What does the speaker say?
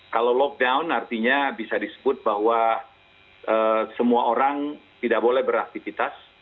kalau lockdown artinya bisa disebut bahwa semua orang tidak boleh beraktivitas